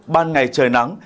ban ngày trời nắng